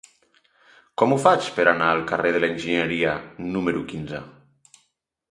Com ho faig per anar al carrer de l'Enginyeria número quinze?